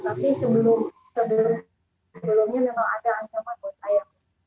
tapi sebelum sebelumnya memang ada ancaman buat saya